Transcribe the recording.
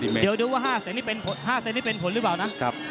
เดี๋ยวดูว่า๕เซนนี้เป็นผลหรือเปล่านะ